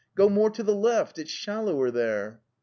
Go more to the left! It's shallower there!